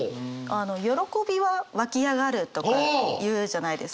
「喜び」は「湧き上がる」とか言うじゃないですか。